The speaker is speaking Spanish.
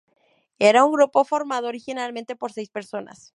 Era un grupo formado originalmente por seis personas.